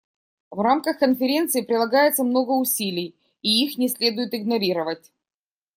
В рамках Конференции прилагается много усилий, и их не следует игнорировать.